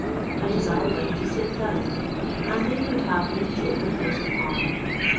I desired them to sit down, and they would have me take the place of honour.